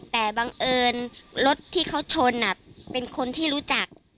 แต่บังเอิญรถที่เขาชนเป็นคนที่รู้จัก